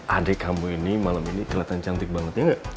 adik kamu ini malam ini kelihatan cantik banget ya nggak